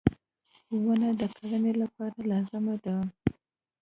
• ونه د کرنې لپاره لازمي ده.